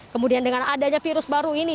kemudian dengan adanya virus baru ini